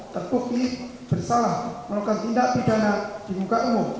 terbukti bersalah melakukan tindak pidana di muka umum